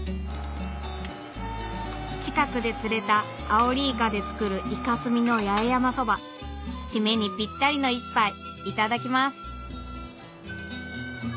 近くで釣れたアオリイカで作るイカスミの八重山そばシメにぴったりの一杯いただきます